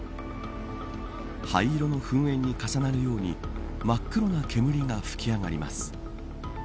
灰色の噴煙に重なるように真っ黒な煙が噴き上がります。